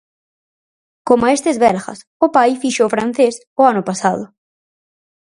Coma estes belgas: o pai fixo o Francés o ano pasado...